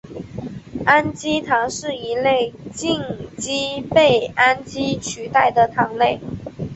氨基糖是一类羟基被氨基取代的糖类。